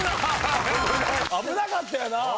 危なかったよな。